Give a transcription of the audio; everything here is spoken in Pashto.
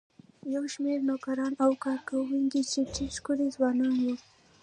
یو شمېر نوکران او کارکوونکي چې ډېر ښکلي ځوانان وو.